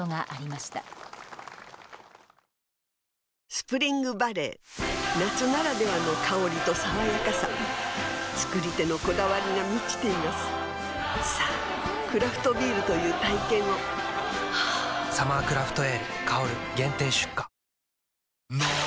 スプリングバレー夏ならではの香りと爽やかさ造り手のこだわりが満ちていますさぁクラフトビールという体験を「サマークラフトエール香」限定出荷の！